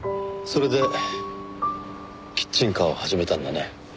それでキッチンカーを始めたんだね。